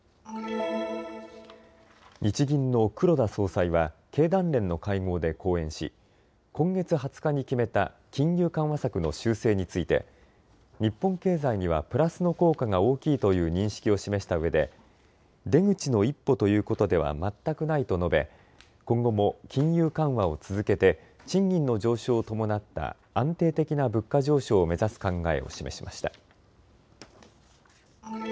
日銀の黒田総裁は経団連の会合で講演し今月２０日に決めた金融緩和策の修正について日本経済にはプラスの効果が大きいという認識を示したうえで出口の一歩ということでは全くないと述べ、今後も金融緩和を続け賃金の上昇を伴った安定的な物価上昇を目指す考えを示しました。